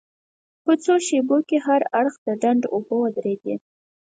په څو شېبو کې هر اړخ ته ډنډ اوبه ودرېدې.